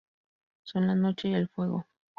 Son la noche y el fuego.